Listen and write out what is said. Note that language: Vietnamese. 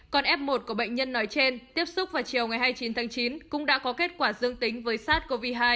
còn f một của bệnh nhân nói trên tiếp xúc vào chiều ngày hai mươi chín tháng chín cũng đã có kết quả dương tính với sars cov hai